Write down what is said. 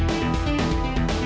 bawa ke pinggir gue